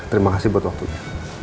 terima kasih buat waktunya